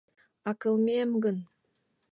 — А кылмем гын?